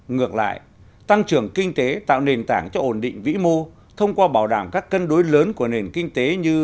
ngược lại tăng trưởng kinh tế tạo nền tảng cho ổn định vĩ mô thông qua bảo đảm các cân đối lớn của nền kinh tế như